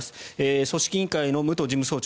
組織委員会の武藤事務総長